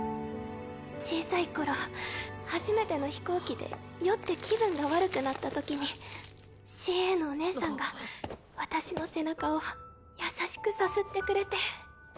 小さい頃初めての飛行機で酔って気分が悪くなったときにＣＡのおねえさんが私の背中を優しくさすってくれて。